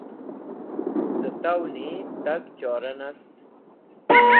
da towni tag chora nast